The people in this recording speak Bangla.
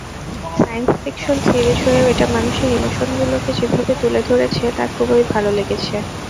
সাইন্স ফিকশন সিরিজ হয়েও এটা মানুষের ইমোশনগুলোকে যেভাবে তুলে ধরেছে তা খুবই ভালো লেগেছে।